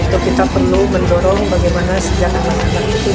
kita perlu mendorong bagaimana sejak anak anak itu